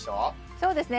そうですね。